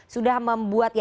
sudah membuat ya